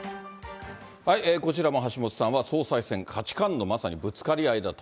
こちらも橋下さんは、総裁選、価値観のまさにぶつかり合いだと。